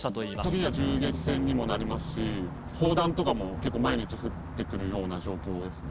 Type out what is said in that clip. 時には銃撃戦にもなりますし、砲弾とかも結構毎日降ってくるような状況ですね。